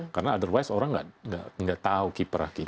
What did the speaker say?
karena otherwise orang nggak tahu kiprah kiprah